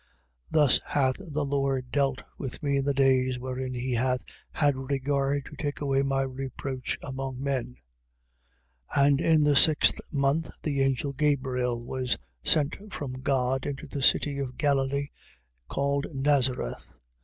Thus hath the Lord dealt with me in the days wherein he hath had regard to take away my reproach among men. 1:26. And in the sixth month, the angel Gabriel was sent from God into a city of Galilee, called Nazareth, 1:27.